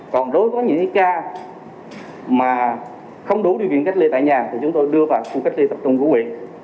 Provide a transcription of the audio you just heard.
còn đối với những ca mà không đủ điều kiện cách ly tại nhà thì chúng tôi đưa vào khu cách ly tập trung của huyện